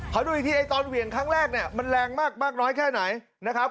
ดูอีกทีไอ้ตอนเหวี่ยงครั้งแรกเนี่ยมันแรงมากน้อยแค่ไหนนะครับ